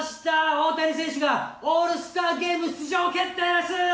大谷選手がオールスターゲーム出場決定です。